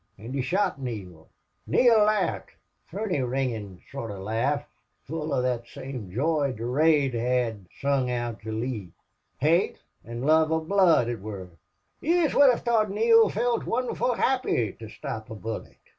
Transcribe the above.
An' he shot Neale. "Neale laughed. Funny ringin' sort of laugh, full of thot same joy Durade hed sung out to Lee. Hate an' love of blood it wor. Yez would hev thought Neale felt wonderful happy to sthop a bullet.